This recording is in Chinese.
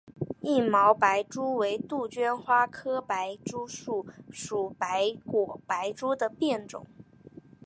硬毛白珠为杜鹃花科白珠树属白果白珠的变种。